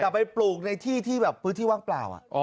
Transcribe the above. ไปปลูกในที่ที่แบบพื้นที่ว่างเปล่า